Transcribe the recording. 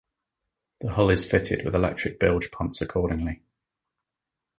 The hull is fitted with electric bilge pumps accordingly.